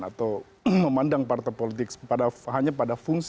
atau memandang partai politik hanya pada fungsi